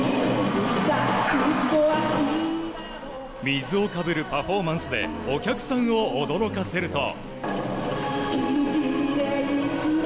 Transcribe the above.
水をかぶるパフォーマンスでお客さんを驚かせると。